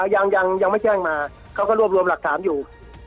ยังไม่แจ้งมาเขาก็รวบรวมหลักฐานอยู่